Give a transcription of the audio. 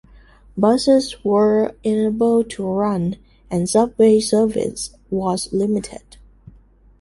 Buses were unable to run, and subway service was limited.